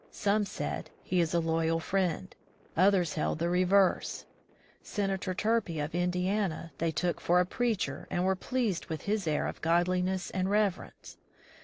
Some said, he is a loyal friend; others held the reverse. Senator Turpie of Indiana they took for a preacher, and were pleased with his air of godliness and reverence.